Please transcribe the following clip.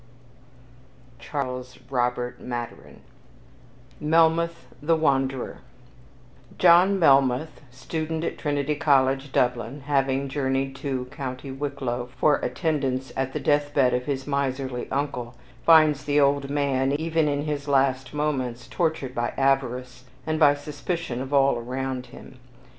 Charles Robert Maturin Melmoth the Wanderer John Melmoth, student at Trinity College, Dublin, having journeyed to County Wicklow for attendance at the deathbed of his miserly uncle, finds the old man, even in his last moments, tortured by avarice, and by suspicion of all around him.